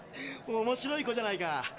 おもしろい子じゃないか。